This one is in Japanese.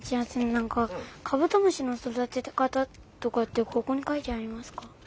なんかカブトムシのそだてかたとかってここにかいてありますか？